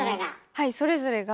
はいそれぞれが。